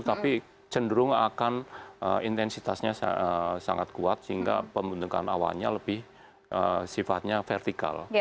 tapi cenderung akan intensitasnya sangat kuat sehingga pembentukan awannya lebih sifatnya vertikal